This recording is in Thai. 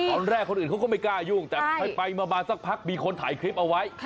ตอนแรกคนอื่นเขาก็ไม่กล้ายุ่งแต่ไปมาสักพักมีคนถ่ายคลิปเอาไว้